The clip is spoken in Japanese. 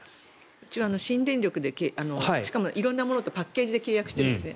うちは新電力でしかも色んなものとパッケージで契約しているんですね。